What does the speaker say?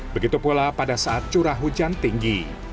begitu pula pada saat curah hujan tinggi